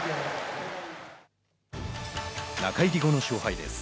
中入り後の勝敗です。